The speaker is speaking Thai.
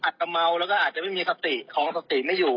ตเมาแล้วก็อาจจะไม่มีสติของสติไม่อยู่